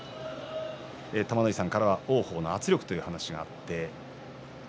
玉ノ井さんからは王鵬の圧力という話があって。